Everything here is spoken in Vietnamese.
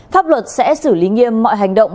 pháp luật sẽ xử lý nghiêm mọi hành động